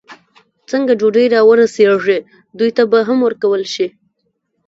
څنګه ډوډۍ را ورسېږي، دوی ته به هم ورکول شي.